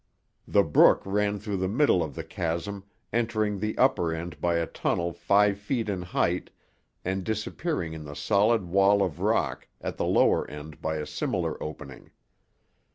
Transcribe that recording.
The brook ran through the middle of the chasm, entering the upper end by a tunnel five feet in height and disappearing in the solid wall of rock at the lower end by a similar opening.